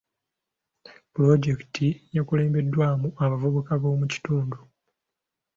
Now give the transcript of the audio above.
Pulojekiti yakulembeddwamu abavubuka b'omu kitundu.